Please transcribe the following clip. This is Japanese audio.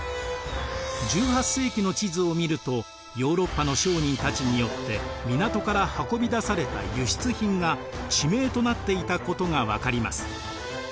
１８世紀の地図を見るとヨーロッパの商人たちによって港から運び出された輸出品が地名となっていたことが分かります。